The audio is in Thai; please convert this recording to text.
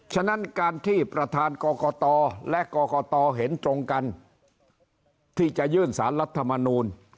ฉะนั้นการที่ประธานกรกตและกรกตเห็นตรงกันที่จะยื่นสารรัฐมนูล